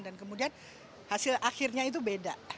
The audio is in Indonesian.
dan kemudian hasil akhirnya itu beda